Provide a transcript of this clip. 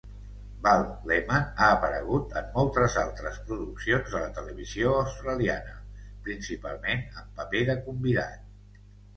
Val Lehman ha aparegut en moltes altres produccions de la televisió australiana, principalment en paper de convidat.